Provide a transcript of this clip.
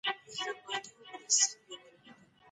اسلامي شريعت خاوند ته څه لارښوونه کوي؟